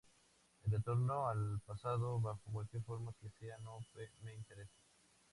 El retorno al pasado, bajo cualquier forma que sea, no me interesa.